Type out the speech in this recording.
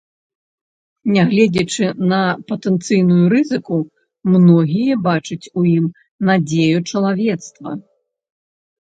Нягледзячы на патэнцыйную рызыку, многія бачаць у ім надзею чалавецтва.